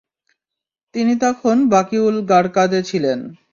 তিনি তখন বাকীউল গারকাদে ছিলেন।